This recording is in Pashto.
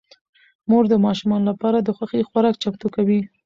مور د ماشومانو لپاره د خوښې خوراک چمتو کوي